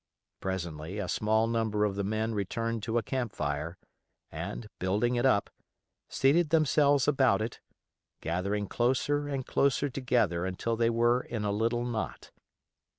Presently a small number of the men returned to a camp fire, and, building it up, seated themselves about it, gathering closer and closer together until they were in a little knot.